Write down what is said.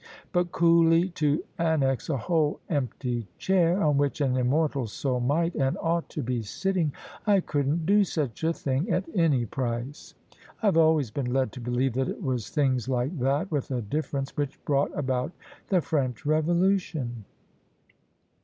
But coolly to annex a whole empty chair, on which an immortal soul might and ought to be sitting — ^I couldn't do such a thing at any price! I've always been led to believe that it was things like that — with a difference — ^which brought about the French Revolution."